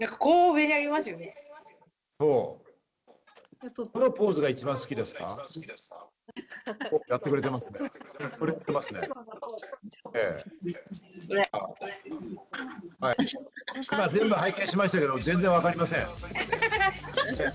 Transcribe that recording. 今、全部拝見しましたけど全然わかりません。